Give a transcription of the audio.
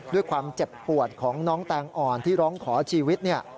ด้วยความเจ็บปวดของน้องแตงอ่อนที่ร้องขอชีวิต